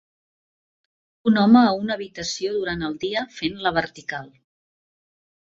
Un home a una habitació durant el dia fent la vertical.